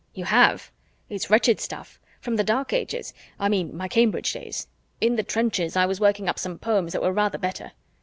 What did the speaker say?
"You have? It's wretched stuff. From the Dark Ages I mean my Cambridge days. In the trenches, I was working up some poems that were rather better."